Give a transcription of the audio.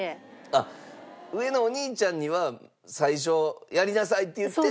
あっ上のお兄ちゃんには最初やりなさいって言って？